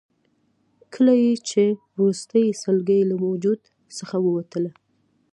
کله یې چې وروستۍ سلګۍ له وجود څخه وتله.